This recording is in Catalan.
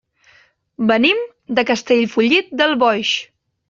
Venim de Castellfollit del Boix.